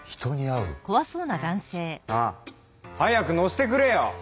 なあ早く乗せてくれよ！